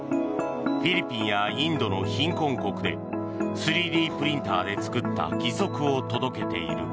フィリピンやインドの貧困国で３Ｄプリンターで作った義足を届けている。